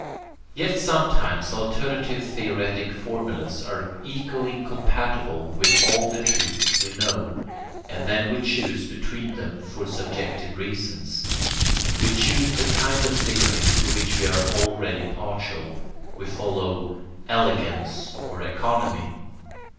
Yet sometimes alternative theoretic formulas are equally compatible with all the truths we know, and then we choose between them for subjective reasons. We choose the kind of theory to which we are already partial; we follow 'elegance' or 'economy.'